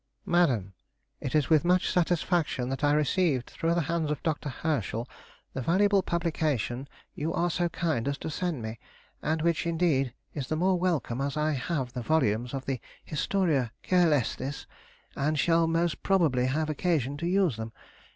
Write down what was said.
MADAM, It is with much satisfaction that I received through the hands of Dr. Herschel, the valuable publication you are so kind as to send me, and which indeed is the more welcome as I have the volumes of the "Historia Cœlestis," and shall most probably have occasion to use them.